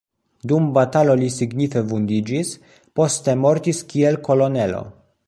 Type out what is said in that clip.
Dum batalo li signife vundiĝis, poste mortis kiel kolonelo.